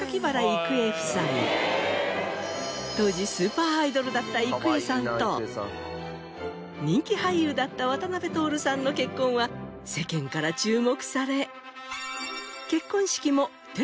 当時スーパーアイドルだった郁恵さんと人気俳優だった渡辺徹さんの結婚は世間から注目され。